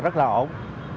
rất là ổn